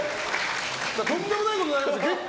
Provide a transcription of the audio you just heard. とんでもないことになりますよ。